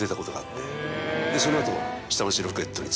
その後。